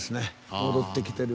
戻ってきてる。